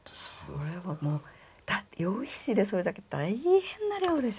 それはもうだって羊皮紙でそれだけ大変な量でしょうね。